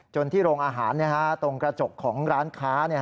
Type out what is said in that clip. ที่โรงอาหารตรงกระจกของร้านค้า